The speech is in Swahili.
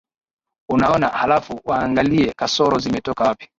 unaona halafu waangalie kasoro zimetoka wapi